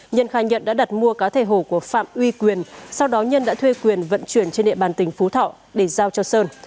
nhân khai nhận đã đặt mua cá thể hổ của phạm uy quyền sau đó nhân đã thuê quyền vận chuyển trên địa bàn tỉnh phú thọ để giao cho sơn